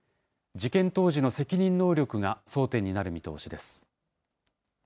事件当時の責任能力が争点になる見通しです。